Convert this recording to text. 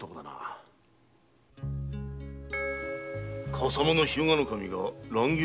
笠間の日向守が乱行？